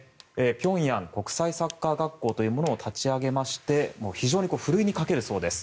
平壌国際サッカー学校というものを立ち上げまして非常にふるいにかけるそうです。